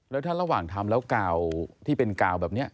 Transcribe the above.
แล้วถ้าระหว่างทำแล้วกาวที่เป็นกาวแบบนี้